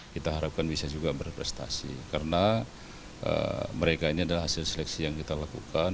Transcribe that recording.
kita harapkan bisa juga berprestasi karena mereka ini adalah hasil seleksi yang kita lakukan